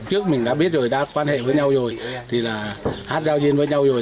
trước mình đã biết rồi đã quan hệ với nhau rồi thì là hát giao duyên với nhau rồi